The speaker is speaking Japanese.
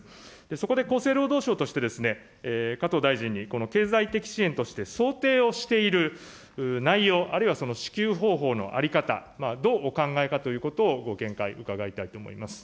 そこで厚生労働省として、加藤大臣に、この経済的支援として想定をしている内容あるいは支給方法の在り方、どうお考えかということをご見解、伺いたいと思います。